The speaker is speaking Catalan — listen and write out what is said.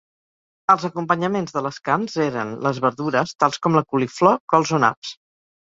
Els acompanyaments de les carns eren les verdures, tals com la coliflor, cols o naps.